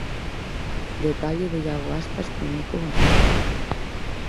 Detalle de Iago Aspas con Nico González.